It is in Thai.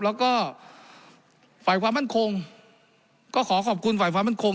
แล้วก็ฝ่ายความมั่นคงก็ขอขอบคุณฝ่ายความมั่นคง